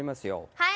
はい！